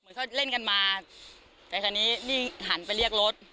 เหมือนเขาเล่นกันมาแต่ครั้งนี้นี่หันไปเรียกรถ